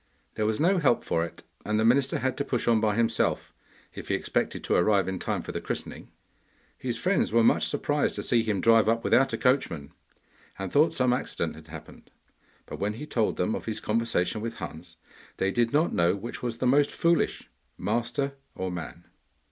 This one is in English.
There was no help for it, and the minister had to push on by himself, if he expected to arrive in time for the christening. His friends were much surprised to see him drive up without a coachman, and thought some accident had happened. But when he told them of his conversation with Hans they did not know which was the most foolish, master or man.